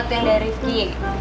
itu yang dari ki